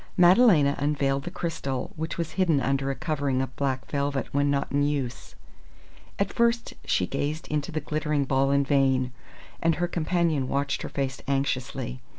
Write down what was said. Madalena unveiled the crystal, which was hidden under a covering of black velvet when not in use. At first she gazed into the glittering ball in vain, and her companion watched her face anxiously.